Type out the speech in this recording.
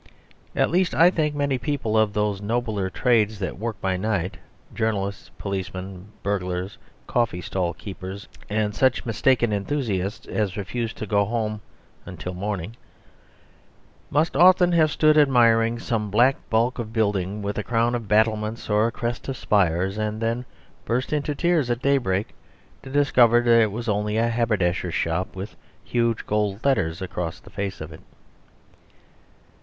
At least, I think many people of those nobler trades that work by night (journalists, policemen, burglars, coffee stall keepers, and such mistaken enthusiasts as refuse to go home till morning) must often have stood admiring some black bulk of building with a crown of battlements or a crest of spires and then burst into tears at daybreak to discover that it was only a haberdasher's shop with huge gold letters across the face of it.